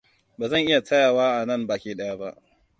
Ba zan iya tsayawa anan baki ɗaya ba.